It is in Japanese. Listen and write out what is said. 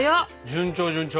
順調順調。